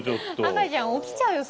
赤ちゃん起きちゃうよ